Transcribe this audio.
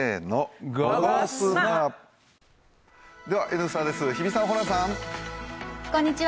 「Ｎスタ」です、日比さん、ホランさん。